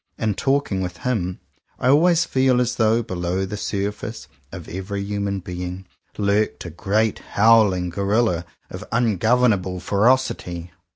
In talking with him, I always feel as though below the surface of every human being, lurked a great howling gorilla of ungovernable ferocity.